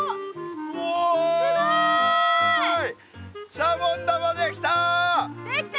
シャボン玉できた！